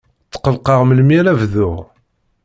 Tqellqeɣ melmi ara bduɣ.